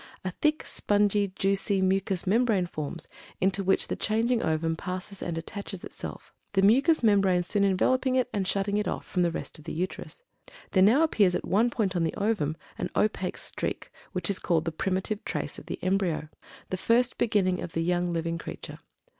A thick, spongy, juicy, mucus membrane forms, into which the changing ovum passes and attaches itself; the mucus membrane soon enveloping it and shutting it off from the rest of the Uterus. There now appears at one point on the ovum an opaque streak, which is called "the primitive trace" of the embryo the first beginning of the young living creature.